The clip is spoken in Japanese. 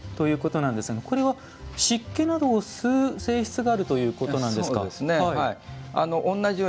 これは湿気などを吸う性質があるということなんですか。